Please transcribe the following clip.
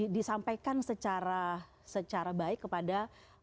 disampaikan secara baik kepada